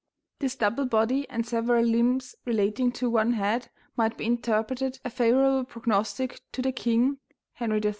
This double body and several limbs relating to one head might be interpreted a favourable prognostic to the king, [Henry III.